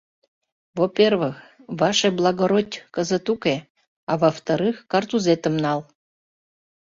— Во-первых, «ваше благородь» кызыт уке; а во-вторых, картузетым нал.